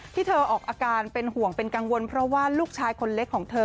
ที่เธอออกอาการเป็นห่วงเป็นกังวลเพราะว่าลูกชายคนเล็กของเธอ